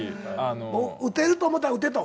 打てると思ったら打てと。